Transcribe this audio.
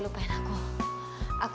lupain aku aku yakin